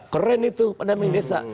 keren itu pendamping desa